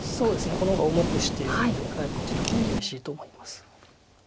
この方が重くしているのでこちらの方が厳しいと思います。